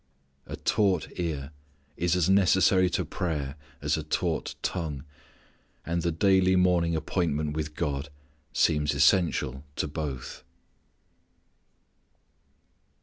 A taught ear is as necessary to prayer as a taught tongue, and the daily morning appointment with God seems essential to both.